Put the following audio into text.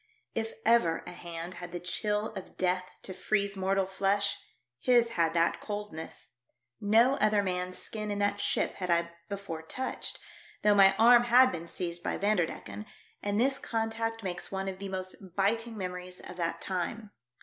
If ever a hand had the chill of death to freeze mortal flesh, his had that coldness. No other man's skin in that ship had I before touched, though 150 THE DEATH SHIP. my arm had been seized by Vanderdecken, and this contact makes one of the most biting memories of that time.